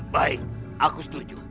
baik aku setuju